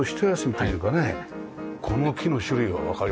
この木の種類はわかります？